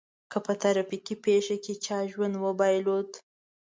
که په ترافيکي پېښه کې چا ژوند وبایلود.